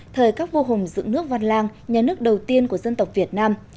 thời các vua hùng dựng nước văn lang nhà nước đầu tiên của dân tộc việt nam